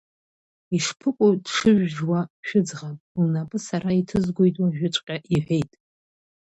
Ишԥыкәу дшыжәжуа шәыӡӷаб, лнапы сара иҭызгоит уажәыҵәҟьа, — иҳәеит.